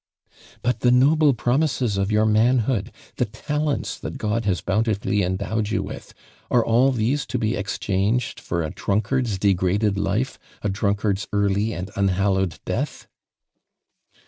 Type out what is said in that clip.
"But the noble promises of your man hood — the talents that God haa bountifully <'ndowed you with, are all these to be ex changed for a drunkard's degraded life — a ilrunkard's caiiy and unhallowed death?"